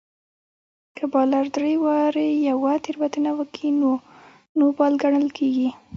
که بالر درې واري يوه تېروتنه وکي؛ نو نو بال ګڼل کیږي.